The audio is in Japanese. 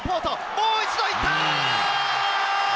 もう一度いった。